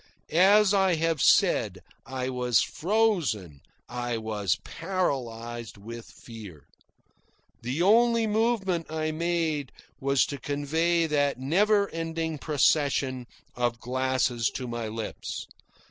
As I have said, I was frozen, I was paralysed, with fear. The only movement I made was to convey that never ending procession of glasses to my lips.